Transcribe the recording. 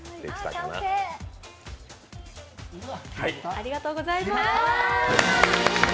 ありがとうございます！